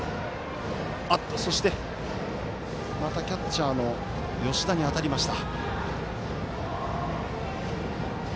そして、またキャッチャーの吉田に当たりました。